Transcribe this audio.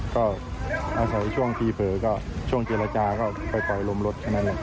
ก็อาศัยช่วงพี่เผลอก็ช่วงเจรจาก็ไปปล่อยลมรถ